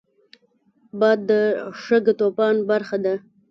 باد د شګهطوفان برخه ده